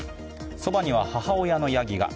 そばには、母親のやぎが。